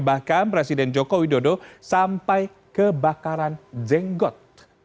bahkan presiden joko widodo sampai kebakaran jenggot